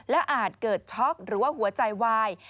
และอาจเกิดช็อกหรือว่าหัวใจวาย